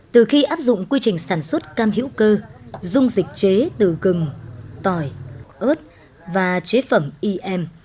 từ khi áp dụng quy trình sản xuất cam hữu cơ dung dịch chế từ gừng tỏi ớt và chế phẩm im